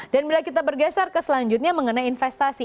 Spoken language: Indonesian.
dan bila kita bergeser ke selanjutnya mengenai investasi